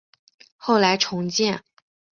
后来重建。